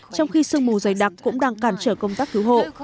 trong khi sương mù dày đặc cũng đang cản trở công tác cứu hộ